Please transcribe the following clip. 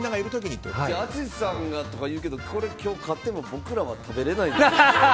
淳さんがとか言うけど今日勝っても僕らは食べられないんですよね。